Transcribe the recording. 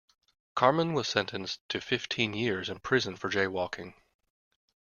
Carmen was sentenced to fifteen years in prison for jaywalking.